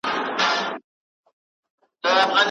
عسکر پوه شو چې ولې منډېلا په ټوله نړۍ کې دومره ګران دی.